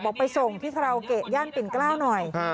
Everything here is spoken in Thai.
บอกไปส่งที่ทะเลาเกะย่านปิ่นกล้าวหน่อย